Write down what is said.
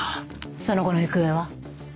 その後の行方は？